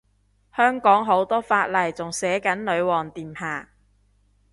香港好多法例仲寫緊女皇陛下